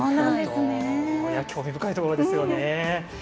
興味深いところですよね。